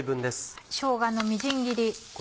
しょうがのみじん切り。